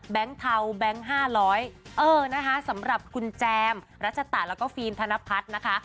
เทาแบงค์๕๐๐เออนะคะสำหรับคุณแจมรัชตะแล้วก็ฟิล์มธนพัฒน์นะคะ